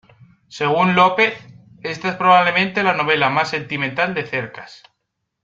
Según López, esta es probablemente la novela más sentimental de Cercas.